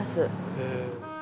へえ。